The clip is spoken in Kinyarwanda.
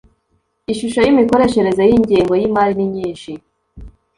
ishusho y’imikoreshereze y ‘ ingengo y ‘imari ninyishi.